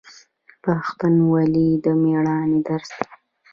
پښتونولي د میړانې درس دی.